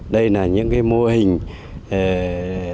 đây là những cái mô hình tiêu biểu của nạn nhân đất đầu da cam của huyện năm sách